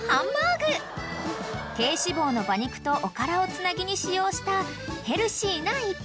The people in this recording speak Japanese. ［低脂肪の馬肉とおからをつなぎに使用したヘルシーな逸品］